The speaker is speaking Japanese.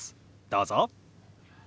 どうぞ。